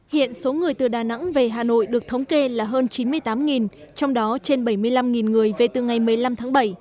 hiện số người từ đà nẵng về hà nội được thống kê là hơn chín mươi tám trong đó trên bảy mươi năm người về từ ngày một mươi năm tháng bảy